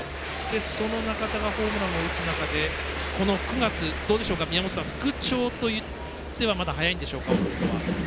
その中田がホームランを打つ中で、この９月復調といってはまだ早いんでしょうか。